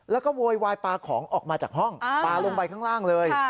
แล้วก็โวยวายปลาของออกมาจากห้องปลาลงไปข้างล่างเลย